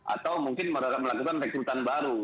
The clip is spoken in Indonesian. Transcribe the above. atau mungkin melakukan rekrutan baru